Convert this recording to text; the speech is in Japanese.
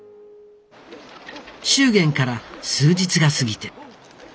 祝言から数日が過ぎて。